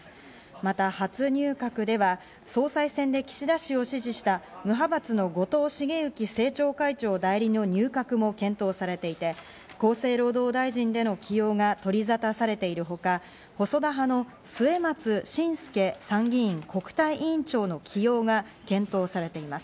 また初入閣では総裁選で岸田氏を支持した無派閥の後藤茂之政調会長代理の入閣も検討されていて、厚生労働大臣での起用が取りざたされているほか、細田派の末松信介参議院国対委員長の起用が検討されています。